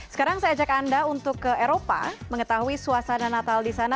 sekarang saya ajak anda untuk ke eropa mengetahui suasana natal di sana